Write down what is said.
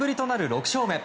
６勝目。